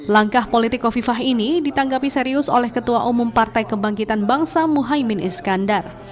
langkah politik kofifah ini ditanggapi serius oleh ketua umum partai kebangkitan bangsa muhaymin iskandar